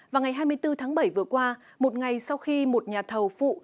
vào ngày hai mươi bốn tháng bảy vừa qua một ngày sau khi một nhà thầu phụ